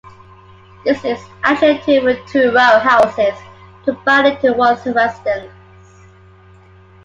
This is actually two Futuro houses combined into one residence.